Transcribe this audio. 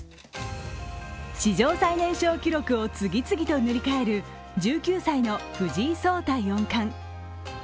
史上最年少記録を次々と塗り替える１９歳の藤井聡太四冠。